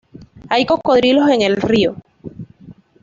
Hay cocodrilos en el río.